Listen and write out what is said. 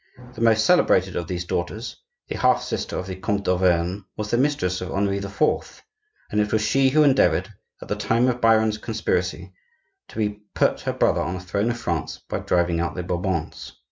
The most celebrated of these daughters, the half sister of the Comte d'Auvergne, was the mistress of Henri IV., and it was she who endeavored, at the time of Biron's conspiracy, to put her brother on the throne of France by driving out the Bourbons.